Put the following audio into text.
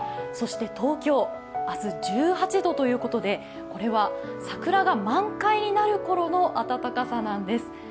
そして東京、あした１８度ということで、これは桜が満開になるころの暖かさなんです。